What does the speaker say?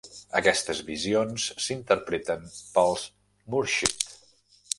Aquestes visions s'interpreten pels "murshid".